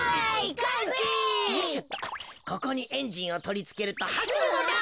ここにエンジンをとりつけるとはしるのだ。